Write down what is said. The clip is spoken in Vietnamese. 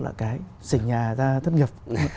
là cái xỉnh nhà ra thất nghiệp